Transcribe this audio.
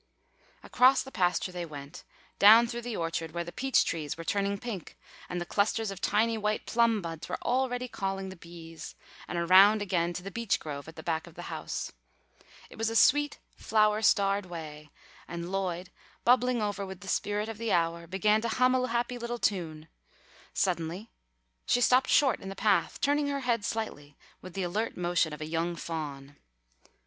Across the pasture they went, down through the orchard where the peach trees were turning pink and the clusters of tiny white plum buds were already calling the bees, and around again to the beech grove at the back of the house. It was a sweet flower starred way, and Lloyd, bubbling over with the spirit of the hour, began to hum a happy little tune. Suddenly she stopped short in the path, turning her head slightly with the alert motion of a young fawn.